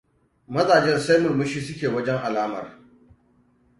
Mazajen sai murmushi suke wajen alamar.